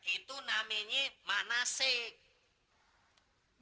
itu namanya manasek